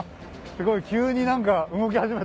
すごい急に何か動き始めた。